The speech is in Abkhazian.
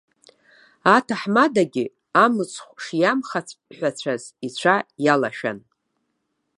Аҭаҳмадагьы амцхә шиамхаҳәацәаз ицәа иалашәан.